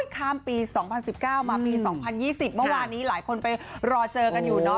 ข้ามปี๒๐๑๙มาปี๒๐๒๐เมื่อวานนี้หลายคนไปรอเจอกันอยู่เนาะ